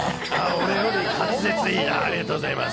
俺より滑舌いい、ありがとうございます。